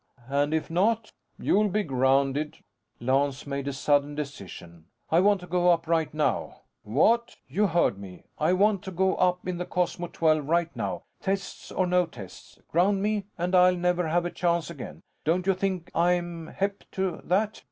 "And if not?" "You'll be grounded." Lance made a sudden decision. "I want to go up right now." "What?" "You heard me. I want to go up in the Cosmos XII right now, tests or no tests. Ground me and I'll never have a chance again. Don't you think I'm hep to that?"